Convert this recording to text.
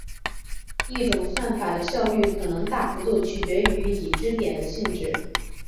一种算法的效率可能大幅度取决于已知点的性质。